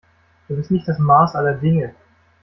Du bist nicht das Maß aller Dinge.